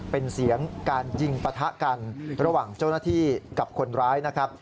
เป็นเสียงการยิงปะทะกันระหว่างเจ้าหน้าที่กับคนร้ายนะครับ